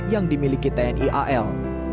yang dimiliki tni il